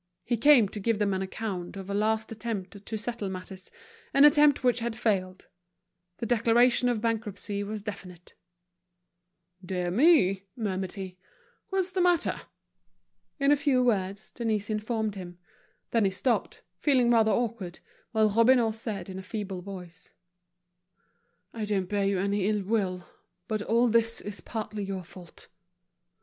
He came to give them an account of a last attempt to settle matters, an attempt which had failed; the declaration of bankruptcy was definite. "Dear me," murmured he, "what's the matter?" In a few words, Denise informed him. Then he stopped, feeling rather awkward, while Robineau said, in a feeble voice: "I don't bear you any ill will, but all this is partly your fault."